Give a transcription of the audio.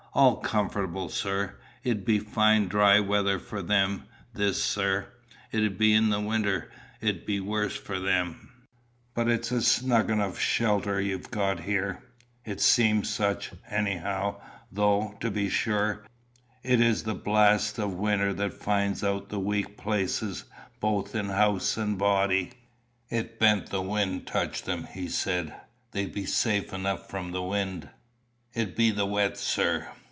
"All comfortable, sir. It be fine dry weather for them, this, sir. It be in winter it be worst for them." "But it's a snug enough shelter you've got here. It seems such, anyhow; though, to be sure, it is the blasts of winter that find out the weak places both in house and body." "It ben't the wind touch them" he said; "they be safe enough from the wind. It be the wet, sir.